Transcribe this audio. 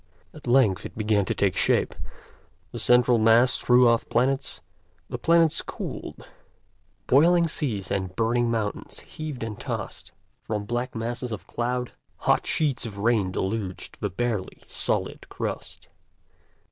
At length it began to take shape, the central mass threw off planets, the planets cooled, boiling seas and burning mountains heaved and tossed, from black masses of cloud hot sheets of rain deluged the barely solid crust.